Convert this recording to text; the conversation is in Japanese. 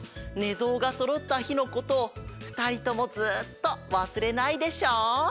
ぞうがそろったひのことをふたりともずっとわすれないでしょ？